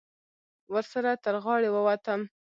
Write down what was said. ورسره تر غاړې ووتم.